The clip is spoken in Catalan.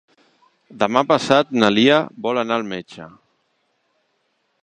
Demà passat na Lia vol anar al metge.